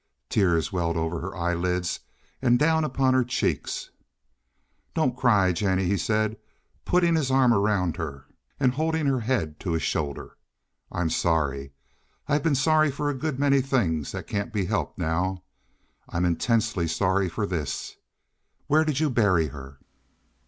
Tears welled over her eyelids and down upon her cheeks. "Don't cry, Jennie," he said, putting his arm around her and holding her head to his shoulder. "I'm sorry. I've been sorry for a good many things that can't be helped now. I'm intensely sorry for this. Where did you bury her?"